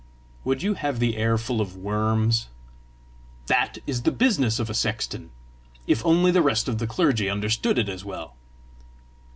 "Would you have the air full of worms?" "That is the business of a sexton. If only the rest of the clergy understood it as well!"